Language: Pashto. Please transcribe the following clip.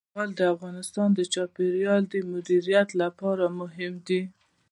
زغال د افغانستان د چاپیریال د مدیریت لپاره مهم دي.